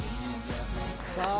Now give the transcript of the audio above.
さあ